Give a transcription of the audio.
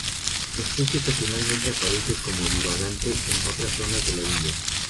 La especie ocasionalmente aparece como divagante en otras zonas de la India.